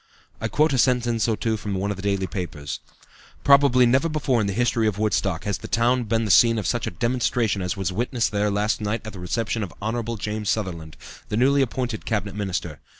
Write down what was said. I quote a sentence or two from one of the daily papers: "Probably never before in the history of Woodstock has the town been the scene of such a demonstration as was witnessed there last night at the reception of Hon. James Sutherland, the newly appointed Cabinet Minister.